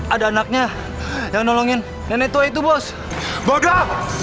ada anaknya yang nolongin nenek tua itu bos boga